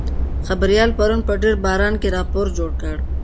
خبریال پرون په ډېر باران کې راپور جوړ کړ.